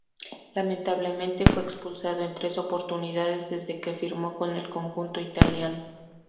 Lamentablemente, fue expulsado en tres oportunidades desde que firmó con el conjunto italiano.